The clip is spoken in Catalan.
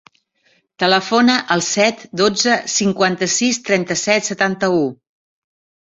Telefona al set, dotze, cinquanta-sis, trenta-set, setanta-u.